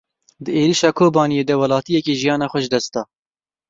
Di êrişa Kobaniyê de welatiyekî jiyana xwe ji dest da.